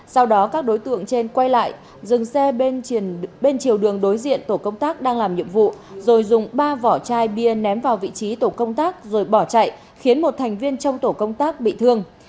sau đó các đối tượng trên quay lại dừng xe bên chiều đường đối diện tổ công tác đang làm nhiệm vụ rồi dùng ba vỏ chai bia ném vào vị trí tổ công tác rồi bỏ chạy khiến một thành viên trong tổ công tác bị thương